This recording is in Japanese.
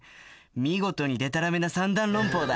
見事にでたらめな三段論法だ。